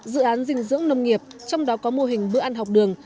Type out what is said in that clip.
dự án dinh dưỡng nông nghiệp trong đó có mô hình bữa ăn học đường